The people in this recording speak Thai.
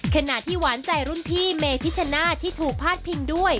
ขณะที่หวานใจรุ่นพี่เมพิชชนาธิถูกพาดพิงด้วย